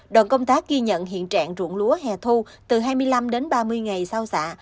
đoàn công tác ghi nhận hiện trạng ruộng lúa hè thu từ hai mươi năm đến ba mươi ngày sau xạ